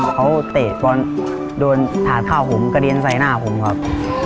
เขาเตะบอลโดนถาดข้าวผมกระเด็นใส่หน้าผมครับ